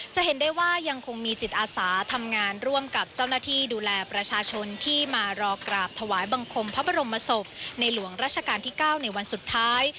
จะเห็นได้ว่ายังคงมีจิตอาสาทำงานร่วมกับเจ้าหน้าที่ดูแลประชาชนที่มารอกราบถวายบังคมพระบรมศพในหลวงราชการที่๙ในวันสุดท้าย